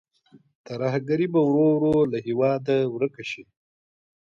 ترهګري به ورو ورو له هېواده ورکه شي.